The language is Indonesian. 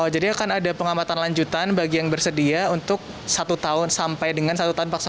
akan ada pengamatan lanjutan bagi yang bersedia untuk satu tahun sampai dengan satu tahun pak